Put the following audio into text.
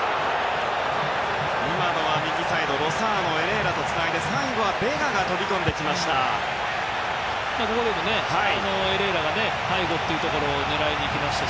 今のは右サイドロサーノ、エレーラとつなぎ最後はベガが飛び込みました。